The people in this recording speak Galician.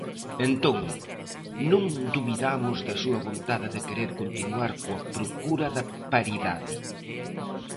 Entón, non dubidamos da súa vontade de querer continuar coa procura da paridade.